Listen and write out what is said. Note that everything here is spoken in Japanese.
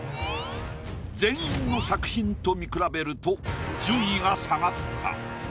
全員の作品と見比べると順位が下がった。